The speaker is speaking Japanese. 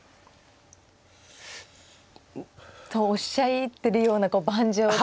とおっしゃってるような盤上では。